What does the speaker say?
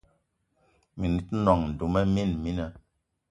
Mini te nòṅ duma mina mina